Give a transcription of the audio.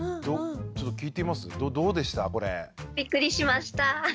びっくりしました。